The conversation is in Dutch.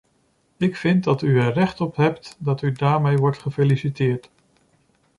Ik vind dat u er recht op hebt dat u daarmee wordt gefeliciteerd.